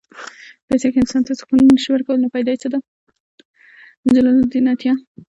جمال الدین عطیه کتاب تفعیل مقاصد الشریعة ته مراجعه وشي.